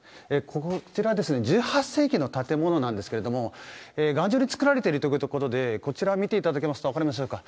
こちら１８世紀の建物なんですけど頑丈に造られているということでこちらを見ると分かりますでしょうか。